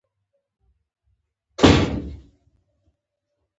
که څه هم ټول شام ارض الانبیاء بلل کیږي.